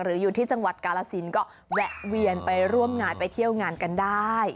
อยู่ที่จังหวัดกาลสินก็แวะเวียนไปร่วมงานไปเที่ยวงานกันได้